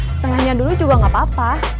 setengahnya dulu juga nggak apa apa